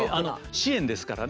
支援ですからね。